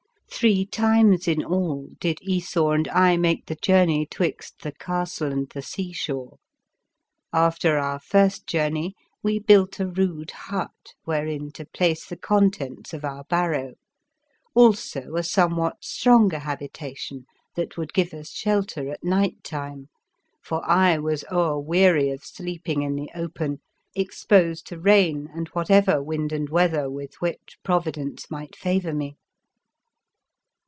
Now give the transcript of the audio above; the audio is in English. Three times in all did Esau and I make the journey, 'twixt the castle and the sea shore. After our first journey we built a rude hut wherein to place the contents of our barrow; also a somewhat stronger habitation that would give us shelter at night time; for I was o'erweary of sleeping in the open, exposed to rain and whatever wind and weather with which Provi dence might favour me.